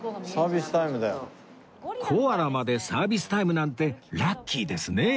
コアラまでサービスタイムなんてラッキーですねえ